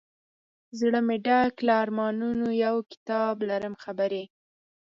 زړه مي ډک له ارمانونو یو کتاب لرم خبري